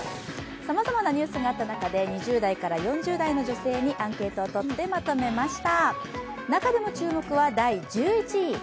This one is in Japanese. さまざまなニュースがあった中で、２０代から４０代の女性にアンケートをとって、まとめました中でも注目は第１１位。